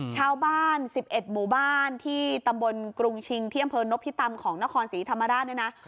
ชาวบ้าน๑๑หมู่บ้านที่ตำบลกรุงชิงที่อำเภอนพิตำของนครศรีธรรมราชเนี่ยนะ